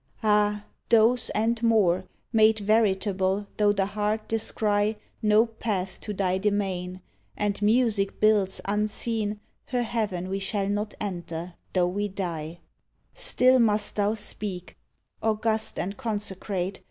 Ah I those, and morel 75 AN AL'TAR OF "THE WEST Made veritable tho the heart descry No path to thy demesne And Music builds, unseen, Her Heaven we shall not enter tho we die. Still must thou speak, August and consecrate.